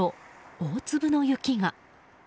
大粒の雪が。